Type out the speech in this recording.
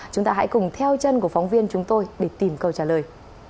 chúng ta hãy cùng theo chân của phóng viên chúng tôi để tìm câu trả lời